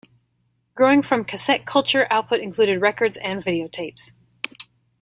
Growing from cassette culture, output included records and videotapes.